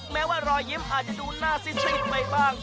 แม้ว่ารอยยิ้มอาจจะดูหน้าซิดไปบ้าง